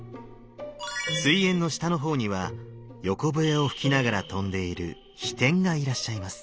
水煙の下の方には横笛を吹きながら飛んでいる飛天がいらっしゃいます。